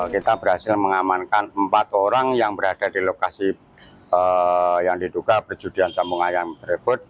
kita berhasil mengamankan empat orang yang berada di lokasi yang diduga perjudian sambung ayam tersebut